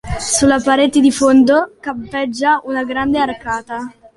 Sulla parete di fondo campeggia una grande arcata.